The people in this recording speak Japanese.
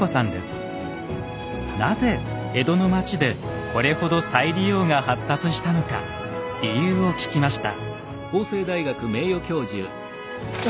なぜ江戸の町でこれほど再利用が発達したのか理由を聞きました。